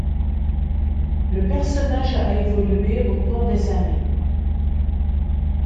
Le personnage a évolué au cours des années.